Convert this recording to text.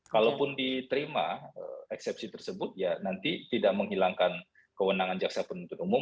kalaupun diterima eksepsi tersebut ya nanti tidak menghilangkan kewenangan jaksa penuntut umum